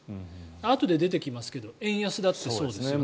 あとで出てきますけど円安だってそうですよね。